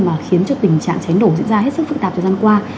mà khiến cho tình trạng cháy nổ diễn ra hết sức phức tạp thời gian qua